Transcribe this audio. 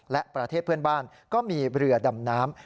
และประเทศเพื่อนบ้านก็มีเรือดำน้ำ